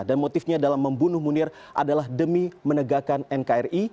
dan motifnya dalam membunuh munir adalah demi menegakkan nkri